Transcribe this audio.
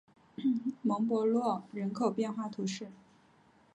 蒙博洛人口变化图示